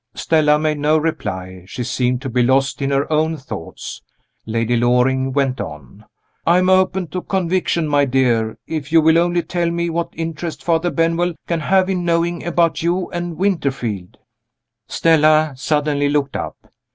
Stella made no reply; she seemed to be lost in her own thoughts. Lady Loring went on. "I am open to conviction, my dear. If you will only tell me what interest Father Benwell can have in knowing about you and Winterfield " Stella suddenly looked up.